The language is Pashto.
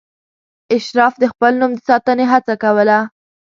اشراف د خپل نوم د ساتنې هڅه کوله.